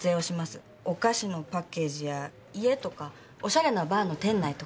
お菓子のパッケージや家とかおしゃれなバーの店内とか。